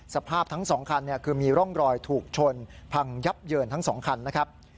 สภาพทั้ง๒คันคือมีร่องรอยถูกชนพังยับเยินทั้ง๒คันนะครับ